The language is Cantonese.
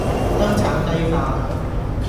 香橙雞塊